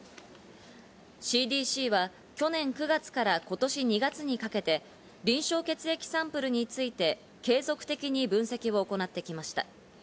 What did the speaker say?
ＣＤＣは去年９月から今年２月にかけて臨床血液サンプルについて継続的に分析を行ってきました。